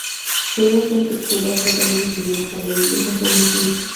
Según fuentes kurdas, cuatro niños murieron cuando la iglesia fue destruida.